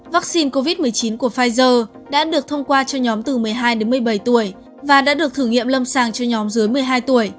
vaccine covid một mươi chín của pfizer đã được thông qua cho nhóm từ một mươi hai đến một mươi bảy tuổi và đã được thử nghiệm lâm sàng cho nhóm dưới một mươi hai tuổi